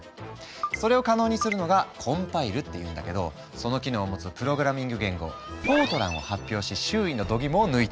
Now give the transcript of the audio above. それを可能にするのが「コンパイル」っていうんだけどその機能を持つプログラミング言語「ＦＯＲＴＲＡＮ」を発表し周囲のどぎもを抜いたんだ。